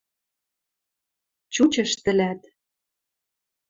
Чучеш тӹлӓт: